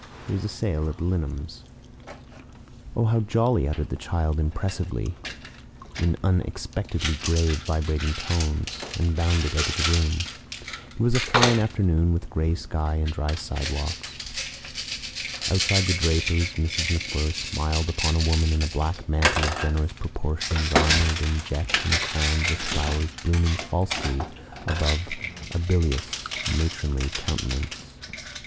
There is a sale at Linom's." "Oh, how jolly!" uttered the child, impressively, in unexpectedly grave vibrating tones, and bounded out of the room. It was a fine afternoon, with a gray sky and dry sidewalks. Outside the draper's Mrs. MacWhirr smiled upon a woman in a black mantle of generous proportions armoured in jet and crowned with flowers blooming falsely above a bilious matronly countenance.